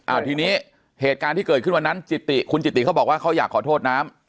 อ่าทีนี้เหตุการณ์ที่เกิดขึ้นวันนั้นจิติคุณจิติเขาบอกว่าเขาอยากขอโทษน้ำ